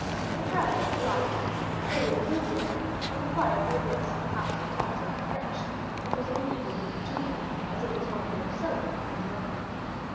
The traveller alighted, ordered a good dinner, and inquired the address of the house of Thomson & French, which was immediately given to him, as it was one of the most celebrated in Rome.